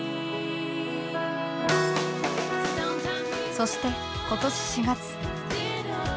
そして今年４月。